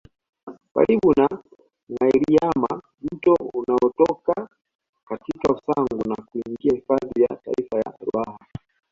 Karibu na Ngâiriama mto unatoka katika Usangu na kuingia hifadhi ya kitaifa ya Ruaha